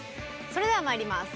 それではまいります。